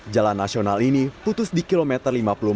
jalan nasional ini putus di kilometer lima puluh empat